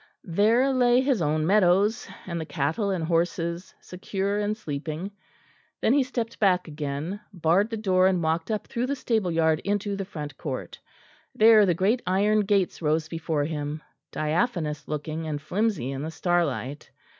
There lay his own meadows, and the cattle and horses secure and sleeping. Then he stepped back again; barred the door and walked up through the stable yard into the front court. There the great iron gates rose before him, diaphanous looking and flimsy in the starlight.